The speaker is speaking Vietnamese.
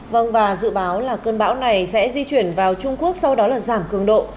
vâng và dự báo là cơn bão này sẽ di chuyển vào trung quốc sau đó là giảm cường độ